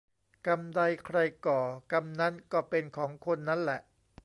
กรรมใดใครก่อ กรรมนั้นก็เป็นของคนนั้นแหละ